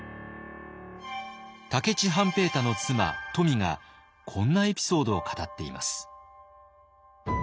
武市半平太の妻冨がこんなエピソードを語っています。